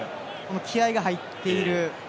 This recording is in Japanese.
気合いが入っている。